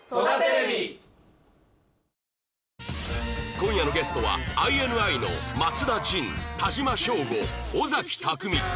今夜のゲストは ＩＮＩ の松田迅田島将吾尾崎匠海